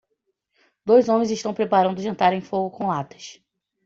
Dois homens estão preparando o jantar em fogo com latas.